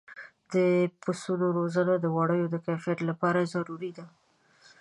د پسونو روزنه د وړیو د کیفیت لپاره ضروري ده.